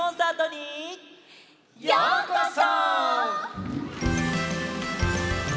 ようこそ！